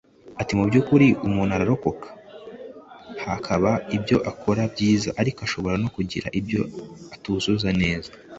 Ati “Mu by’ukuri umuntu arakora hakaba ibyo akora byiza ariko ashobora no kugira n’ibyo atuzuza neza